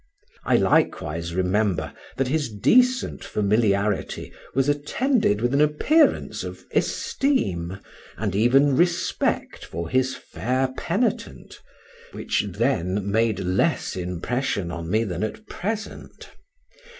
I likewise remember that his decent familiarity was attended with an appearance of esteem, and even respect for his fair penitent, which then made less impression on me than at present.